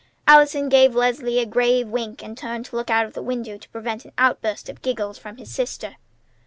Allison gave Leslie a grave wink, and turned to look out of the window to prevent an outburst of giggles from his sister.